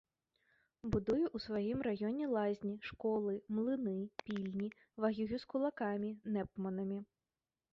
Будую ў сваім раёне лазні, школы, млыны, пільні, ваюю з кулакамі, нэпманамі.